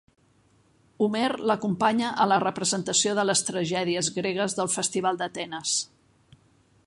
Homer l'acompanya a la representació de les tragèdies gregues del Festival d'Atenes.